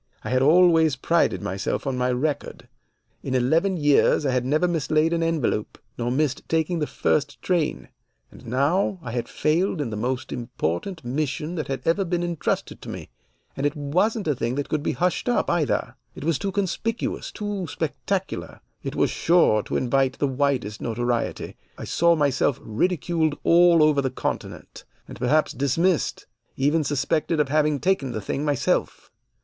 I had always prided myself on my record. In eleven years I had never mislaid an envelope, nor missed taking the first train. And now I had failed in the most important mission that had ever been intrusted to me. And it wasn't a thing that could be hushed up, either. It was too conspicuous, too spectacular. It was sure to invite the widest notoriety. I saw myself ridiculed all over the Continent, and perhaps dismissed, even suspected of having taken the thing myself.